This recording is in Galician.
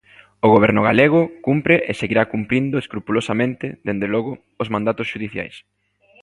O Goberno galego cumpre e seguirá cumprindo escrupulosamente, dende logo, os mandatos xudiciais.